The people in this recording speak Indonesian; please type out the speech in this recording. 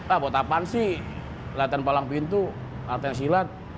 ah buat apaan sih latihan palang pintu latihan silat